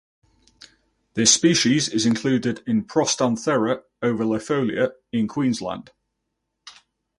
This species is included in "Prostanthera ovalifolia" in Queensland.